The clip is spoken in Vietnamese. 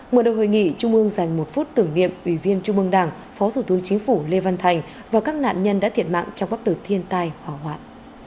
mở đầu hội nghị trung ương dành một phút tưởng niệm ủy viên trung mương đảng phó thủ tướng chính phủ lê văn thành và các nạn nhân đã thiệt mạng trong các đợt thiên tai hỏa hoạn